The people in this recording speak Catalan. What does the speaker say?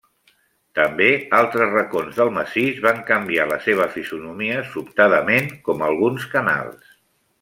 També, altres racons del massís, van canviar la seva fisonomia sobtadament com alguns canals.